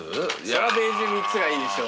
そりゃベージュ３つがいいでしょ。